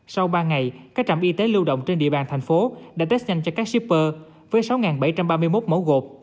sau ba ngày các trạm y tế lưu động trên địa bàn thành phố đã test nhanh cho các shipper với sáu bảy trăm ba mươi một mẫu gộp